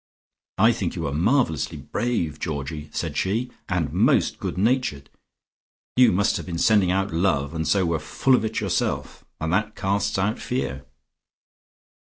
"I think you were marvellously brave, Georgie," said she, "and most good natured. You must have been sending out love, and so were full of it yourself, and that casts out fear."